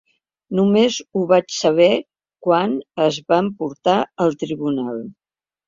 Només ho vaig saber quan es van portar al tribunal.